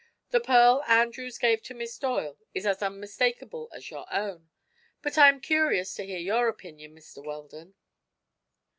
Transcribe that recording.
"The pearl Andrews gave to Miss Doyle is as unmistakable as your own. But I am curious to hear your opinion, Mr. Weldon."